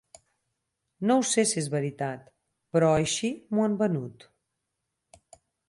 No ho sé si és veritat, però així m'ho han venut.